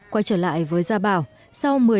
quay trở lại với gia bảo